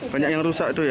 banyak yang rusak itu ya